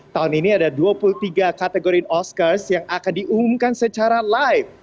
tahun ini ada dua puluh tiga kategori oscars yang akan diumumkan secara live